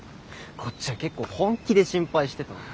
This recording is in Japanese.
こっちは結構本気で心配してたのに。